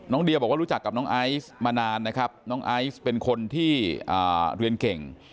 เดียบอกว่ารู้จักกับน้องไอซ์มานานนะครับน้องไอซ์เป็นคนที่เรียนเก่ง